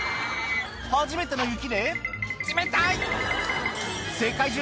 初めての雪で「冷たい！」